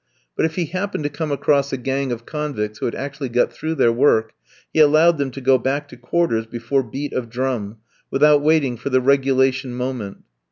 But if he happened to come across a gang of convicts who had actually got through their work, he allowed them to go back to quarters before beat of drum, without waiting for the regulation moment.